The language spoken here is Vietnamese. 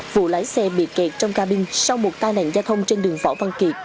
vụ lái xe bị kẹt trong ca binh sau một tai nạn giao thông trên đường võ văn kiệt